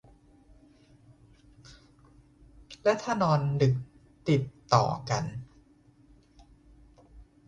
และถ้านอนดึกติดต่อกัน